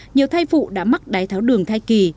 nhiều thai phụ đã mắc đái tháo đường thai kỳ